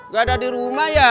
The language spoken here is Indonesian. gak ada dirumah ya